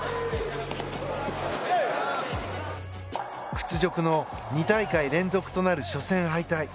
屈辱の２大会連続となる初戦敗退。